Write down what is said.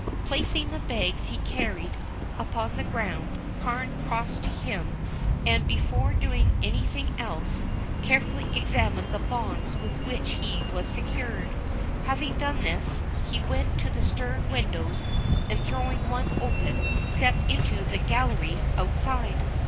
Placing the bags he carried upon the ground, Carne crossed to him, and, before doing anything else, carefully examined the bonds with which he was secured. Having done this, he went to the stern windows, and, throwing one open, stepped into the gallery outside.